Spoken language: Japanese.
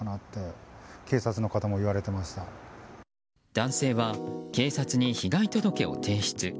男性は、警察に被害届を提出。